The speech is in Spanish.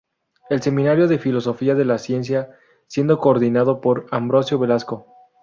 El seminario de filosofía de la ciencia siendo coordinado por Ambrosio Velasco.